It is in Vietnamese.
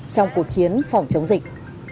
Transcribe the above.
trong cuộc chiến phòng chống dịch